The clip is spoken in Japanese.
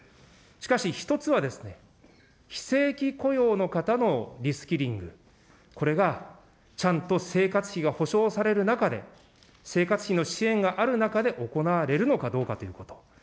しかし、１つは、非正規雇用の方のリスキリング、これがちゃんと生活費がほしょうされる中で、生活費の支援がある中で行われるのかどうかということ。